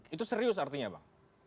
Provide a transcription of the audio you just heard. itu serius artinya bang